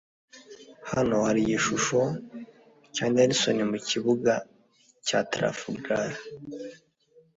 Hano hari igishusho cya Nelson mukibuga cya Trafalgar.